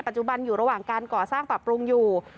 จุบันอยู่ระหว่างการก่อสร้างปรับปรุงอยู่